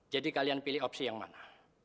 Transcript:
jadi kalian pilih opsi yang mana